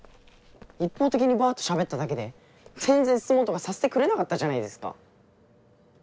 一方的にバっとしゃべっただけで全然質問とかさせてくれなかったじゃないですか。